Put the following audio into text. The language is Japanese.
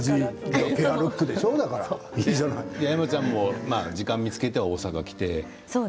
山ちゃんも、時間を見つけては大阪に来て。